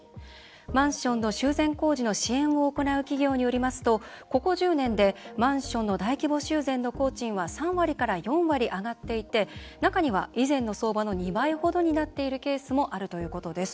マンションの修繕工事の支援を行う企業によりますとここ１０年でマンションの大規模修繕の工賃は３割から４割、上がっていて中には以前の相場の２倍ほどになっているケースもあるということです。